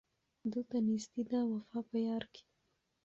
دلته نېستي ده وفا په یار کي